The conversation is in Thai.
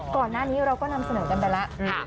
ก่อนหน้านี้เราก็นำเสนอกันไปแล้ว